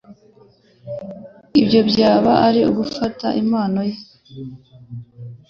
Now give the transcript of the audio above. Ibyo byaba ari uguta impano ye.